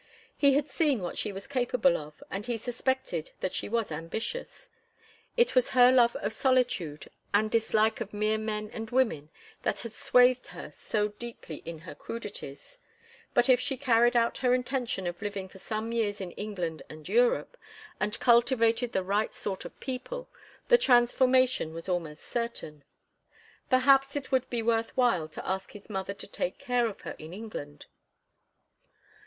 He had seen what she was capable of, and he suspected that she was ambitious. It was her love of solitude and dislike of mere men and women that had swathed her so deeply in her crudities; but if she carried out her intention of living for some years in England and Europe, and cultivated the right sort of people, the transformation was almost certain. Perhaps it would be worth while to ask his mother to take care of her in England.